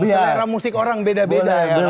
selera musik orang beda beda ya bang